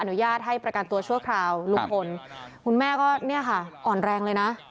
อนุญาตให้ประกันตัวชั่วคราวลูกศนคุณแม่ก็อ่อนแรงเลยนะ